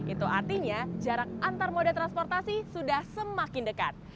itu artinya jarak antar moda transportasi sudah semakin dekat